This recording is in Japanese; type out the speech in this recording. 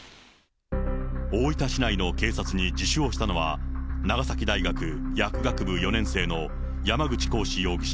大分市内の警察に自首をしたのは、長崎大学薬学部４年生の山口鴻志容疑者